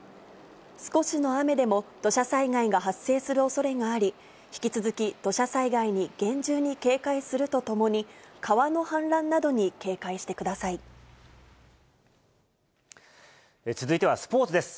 少しの雨でも土砂災害が発生するおそれがあり、引き続き土砂災害に厳重に警戒するとともに、川の氾濫などに警戒続いてはスポーツです。